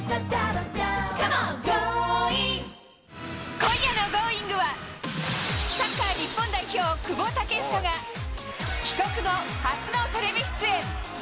今夜のＧｏｉｎｇ！は、サッカー日本代表、久保建英が、帰国後、初のテレビ出演。